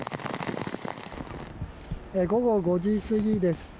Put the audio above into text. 午後５時過ぎです。